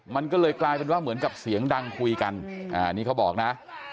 มันก็เลยกลายเป็นว่าเหมือนกับเสียงดังคุยกันอันนี้เขาบอกนะ